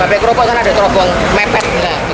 pabrik kerupuk sana ada terobong mepet